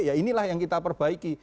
ya inilah yang kita perbaiki